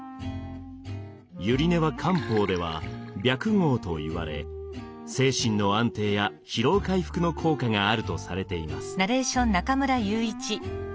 百合根は漢方ではビャクゴウといわれ精神の安定や疲労回復の効果があるとされています。